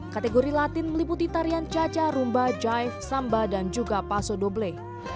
kategori latin meliputi tarian caca rumba jive samba dan juga paso doble